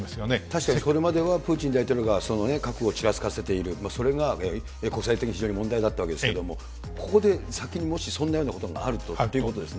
確かにこれまではプーチン大統領が核をちらつかせている、それが国際的に非常に問題だったわけですけれども、ここで先にもしそんなようなことがあるとということですね。